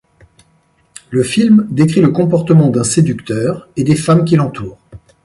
Le film décrit le comportement d'un séducteur et des femmes qui l'entourent.